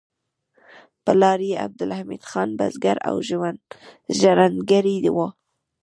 پلار یې عبدالحمید خان بزګر او ژرندګړی و